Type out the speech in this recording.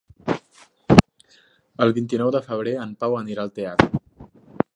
El vint-i-nou de febrer en Pau anirà al teatre.